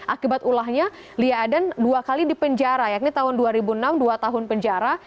akibat ulahnya lia aden dua kali di penjara yakni tahun dua ribu enam dua tahun penjara